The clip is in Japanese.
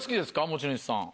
持ち主さん。